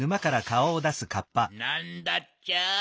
なんだっちゃ？